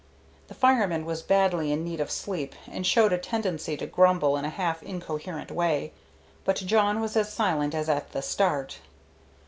The fireman was badly in need of sleep, and showed a tendency to grumble in a half incoherent way, but Jawn was as silent as at the start.